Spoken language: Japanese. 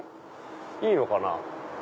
いいのかな。